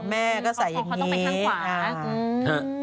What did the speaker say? เขาต้องเป็นข้างขวา